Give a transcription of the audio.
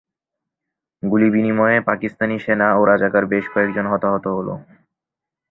গুলি বিনিময়ে পাকিস্তানি সেনা ও রাজাকার বেশ কয়েকজন হতাহত হলো।